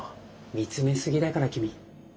見つめ過ぎだから君。